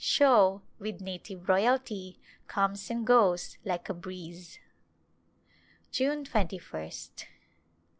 Show, with native royalty, comes and goes like a breeze. 'June 2ist.